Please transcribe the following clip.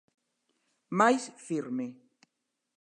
Máis firme.